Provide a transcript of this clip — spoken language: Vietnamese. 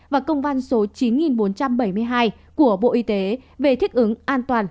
và công văn số chín bốn trăm bảy mươi hai của bộ y tế về thiết ứng an toàn